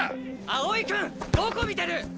青井君どこ見てる！？